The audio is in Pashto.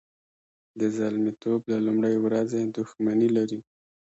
د زلمیتوب له لومړۍ ورځې دښمني لري.